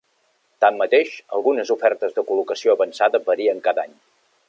Tanmateix, algunes ofertes de Col·locació Avançada varien cada any.